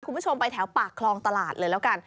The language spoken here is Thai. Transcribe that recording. คุณผู้ชมไปแถวปากคลองตลาดเลยแล้วกัน